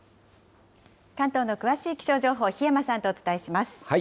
関東の詳しい気象情報、檜山さんとお伝えします。